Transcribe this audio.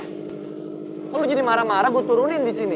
kok lo jadi marah marah gue turunin disini